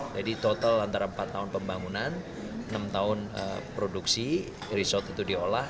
jadi total antara empat tahun pembangunan enam tahun produksi resort itu diolah